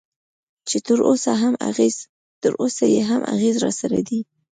چې تراوسه یې هم اغېز راسره دی.